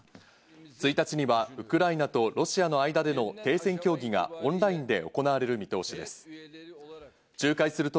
１日にはウクライナとロシアの間での停戦協議がオンラインで行われる見通しです。